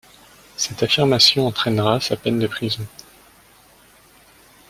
Cette affirmation entraînera sa peine de prison.